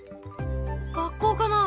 学校かな？